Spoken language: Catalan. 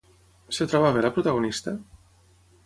Es troba bé la protagonista?